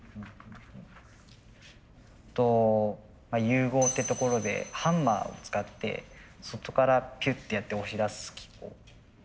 融合ってところでハンマーを使って外からピュッてやって押し出す機構。